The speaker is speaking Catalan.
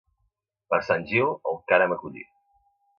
Per Sant Gil, el cànem a collir.